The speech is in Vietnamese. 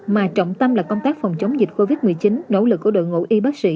mà trọng tâm là công tác phòng chống dịch covid một mươi chín nỗ lực của đội ngũ y bác sĩ